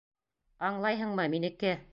Аңлайһыңмы, минеке!